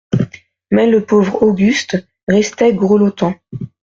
Mais le pauvre Auguste restait grelottant.